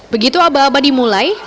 begitu abah abah dimulai